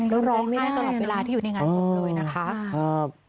ก็ร้องไห้ตลอดเวลาที่อยู่ในงานศพเลยนะคะอ๋อครับ